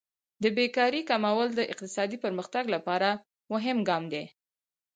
د بیکارۍ کمول د اقتصادي پرمختګ لپاره مهم ګام دی.